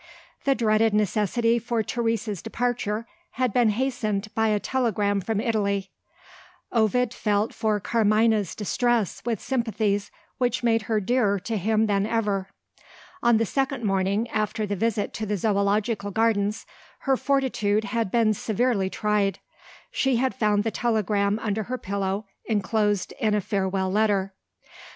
The dreaded necessity for Teresa's departure had been hastened by a telegram from Italy: Ovid felt for Carmina's distress with sympathies which made her dearer to him than ever. On the second morning after the visit to the Zoological Gardens, her fortitude had been severely tried. She had found the telegram under her pillow, enclosed in a farewell letter.